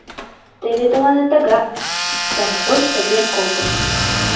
Теве тыланет тага! — становой совен колтыш.